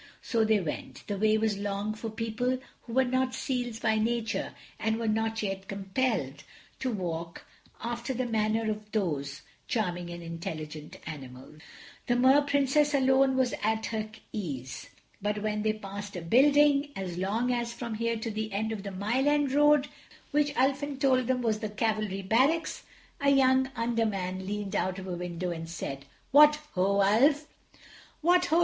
So they went. The way was long for people who were not seals by nature and were not yet compelled to walk after the manner of those charming and intelligent animals. The Mer Princess alone was at her ease. But when they passed a building, as long as from here to the end of the Mile End Road, which Ulfin told them was the Cavalry Barracks, a young Under man leaned out of a window and said: "What ho! Ulf." "What ho!